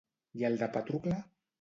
I el de Pàtrocle?